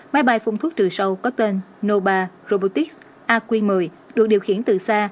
máy bay phun thuốc trừ sâu có tên noba robotics aq một mươi được điều khiển từ xa